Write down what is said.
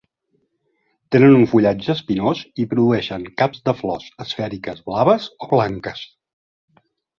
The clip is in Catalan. Tenen un fullatge espinós i produeixen caps de flors esfèriques blaves o blanques.